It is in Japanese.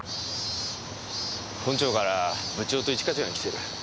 本庁から部長と一課長が来てる。